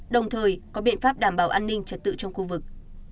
đồng thời có biện pháp đảm bảo an ninh trật tự trong khu vực